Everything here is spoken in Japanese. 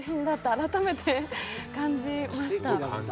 改めて感じました。